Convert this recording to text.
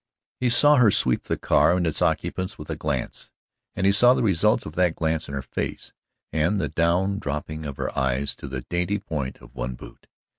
He saw her sweep the car and its occupants with a glance, and he saw the results of that glance in her face and the down dropping of her eyes to the dainty point of one boot.